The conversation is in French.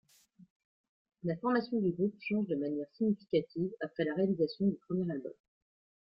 La formation du groupe change de manière significative après la réalisation du premier album.